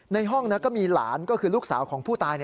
ในห้องก็มีหลานก็คือลูกสาวของผู้ตาย